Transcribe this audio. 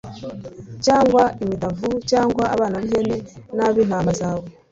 cyangwa imitavu cyangwa abana b'ihene n'ab'intama zawe